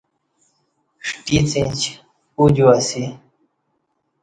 ݜٹیڅ انچ اُوجو اسی